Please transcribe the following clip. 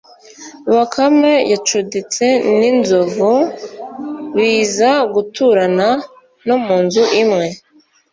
bakame yacuditse n'inzovu, biza guturana no mu nzu imwe